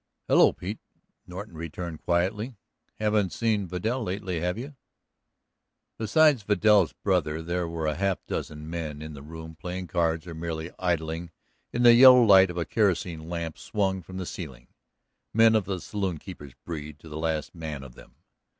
"Hello, Pete," Norton returned quietly. "Haven't seen Vidal lately, have you?" Besides Vidal's brother there were a half dozen men in the room playing cards or merely idling in the yellow light of the kerosene lamp swung from the ceiling, men of the saloon keeper's breed to the last man of them.